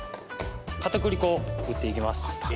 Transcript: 片栗粉を振っていきます。